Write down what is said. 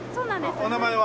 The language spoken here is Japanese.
お名前は？